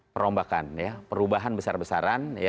perubahan yang sangat besar besaran ya